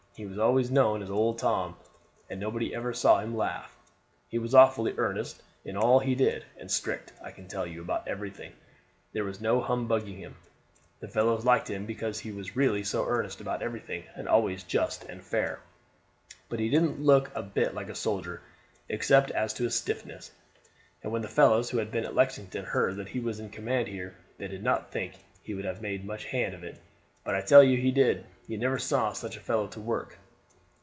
He was always known as Old Tom, and nobody ever saw him laugh. He was awfully earnest in all he did, and strict, I can tell you, about everything. There was no humbugging him. The fellows liked him because he was really so earnest about everything, and always just and fair. But he didn't look a bit like a soldier except as to his stiffness, and when the fellows who had been at Lexington heard that he was in command here they did not think he would have made much hand at it; but I tell you, he did. You never saw such a fellow to work.